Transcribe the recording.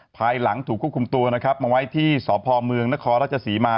ภายหลังถูกควบคุมตัวนะครับมาไว้ที่สพเมืองนครราชศรีมา